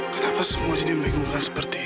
kenapa semua jadi membingungkan seperti ini